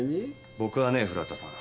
僕はね古畑さん。